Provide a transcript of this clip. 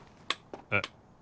えっ？